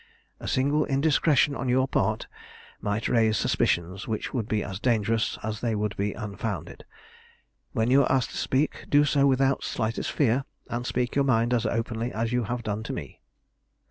A single indiscretion on your part might raise suspicions which would be as dangerous as they would be unfounded. When you are asked to speak do so without the slightest fear, and speak your mind as openly as you have done to me."